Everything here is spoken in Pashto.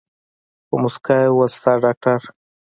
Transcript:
په موسکا يې وويل ستا ډاکتر.